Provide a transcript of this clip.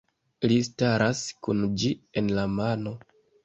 Li staras kun ĝi en la mano.